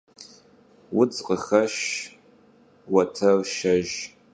Vudz khıxeşş, vueter şşejj.